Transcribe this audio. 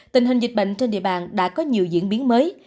tình hình dịch bệnh trên địa bàn đã có nhiều diễn biến mới